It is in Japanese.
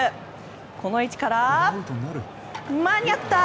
この位置から間に合った！